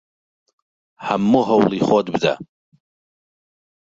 هەموو هەوڵی خۆت بدە!